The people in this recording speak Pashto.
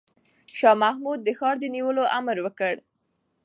شاه محمود د ښار د نیولو امر وکړ.